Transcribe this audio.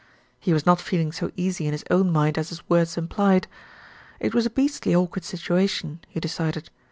He was not feeling so easy in his own mind as his words implied. It was a beastly awkward situation, he decided.